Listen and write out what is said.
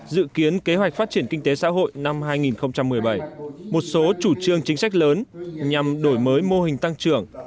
dự kiến kế hoạch phát triển kinh tế xã hội năm hai nghìn một mươi bảy một số chủ trương chính sách lớn nhằm đổi mới mô hình tăng trưởng